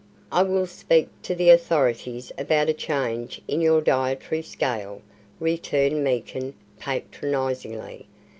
"I will speak to the authorities about a change in your dietary scale," returned Meekin, patronizingly.